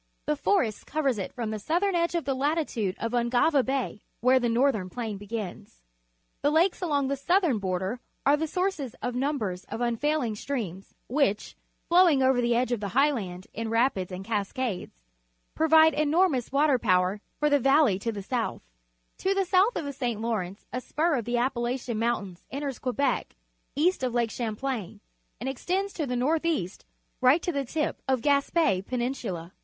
The forest covers it from the southern edge to the lati tude of Ungava Bay, where the Northern Plain begins. The lakes along the southern border are the sources of numbers of unfaihnii streams, which, flowing over the edge of the highland in rapids and cascades, provide enor mous water power for the valley to the soutli. To the south of the St. Lawrence a spur of the Appalachian Mountait^s enters Quebec east of Lake Champlain and extends to the north east right to the tip of Gaspe Penin sula.